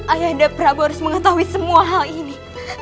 ayah daprabo harus mengetahui semua hal ini